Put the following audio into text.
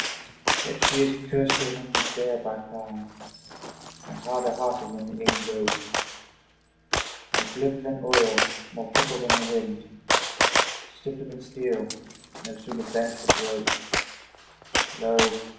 Yet is she curster than the bear by kind, And harder hearted than the agĶd oak, More glib than oil, more fickle than the wind, Stiffer than steel, no sooner bent but broke. Lo!